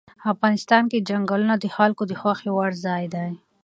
افغانستان کې چنګلونه د خلکو د خوښې وړ ځای دی.